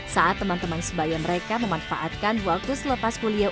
saat teman teman sebaya mereka memanfaatkan waktu selepas kuliah